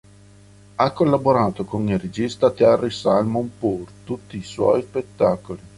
Ha collaborato con il regista Thierry Salmon pour tutti i suoi spettacoli.